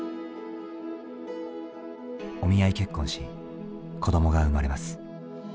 お見合い結婚し子どもが生まれます。